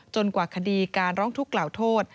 กว่าคดีการร้องทุกข์กล่าวโทษ